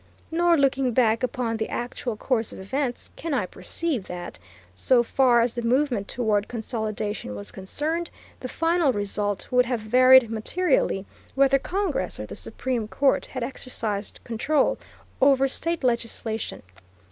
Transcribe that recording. Nor, looking back upon the actual course of events, can I perceive that, so far as the movement toward consolidation was concerned, the final result would have varied materially whether Congress or the Supreme Court had exercised control over state legislation.